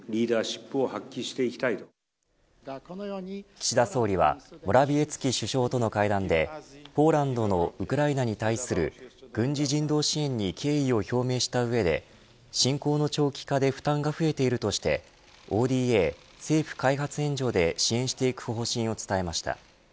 岸田総理はモラヴィエツキ首相との会談でポーランドのウクライナに対する軍事人道支援に敬意を表明した上で侵攻の長期化で負担が増えているとしてＯＤＡ、政府開発援助で支援していく方針を伝えました。